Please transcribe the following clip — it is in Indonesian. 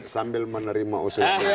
sambil menerima usulan